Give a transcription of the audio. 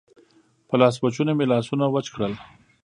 په لاسوچوني مې لاسونه وچ کړل.